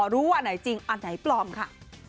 ว่าอันไหนจริงอันไหนปลอมค่ะ